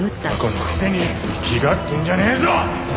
雑魚のくせに粋がってんじゃねえぞ！